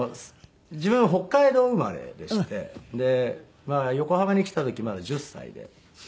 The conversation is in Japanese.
自分北海道生まれでして横浜に来た時まだ１０歳で。